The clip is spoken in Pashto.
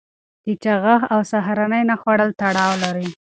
د چاغښت او سهارنۍ نه خوړل تړاو لري.